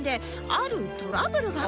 あるトラブルが